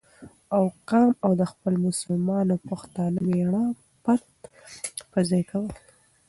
او کام او د خپل مسلمان او پښتانه مېـړه پت په ځای کول،